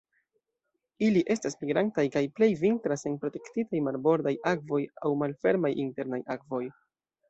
Ili estas migrantaj kaj plej vintras en protektitaj marbordaj akvoj aŭ malfermaj internaj akvoj.